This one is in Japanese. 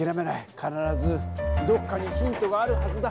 かならずどこかにヒントがあるはずだ。